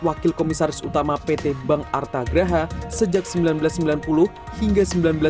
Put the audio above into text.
wakil komisaris utama pt bank artagraha sejak seribu sembilan ratus sembilan puluh hingga seribu sembilan ratus sembilan puluh